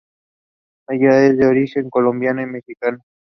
Ella es de origen colombiano y mexicano.